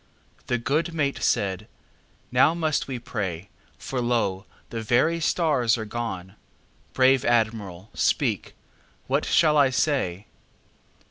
The good mate said: "Now must we pray, For lo! the very stars are gone. Brave Admiral, speak, what shall I say?"